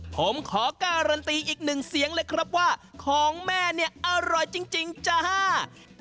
ผมขอการันตีอีกหนึ่งเสียงเลยครับว่าของแม่เนี่ยอร่อยจริงจ้า